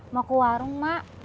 mau ke warung mak